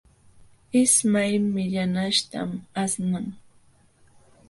Ismay millanaśhtam aśhnan.